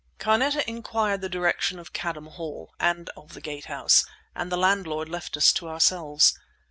Carneta inquired the direction of Cadham Hall and of the Gate House, and the landlord left us to ourselves.